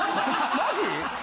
マジ？